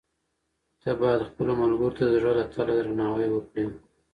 ته باید خپلو ملګرو ته د زړه له تله درناوی وکړې.